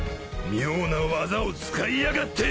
妙な技を使いやがって。